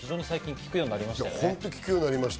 聞くようになりました。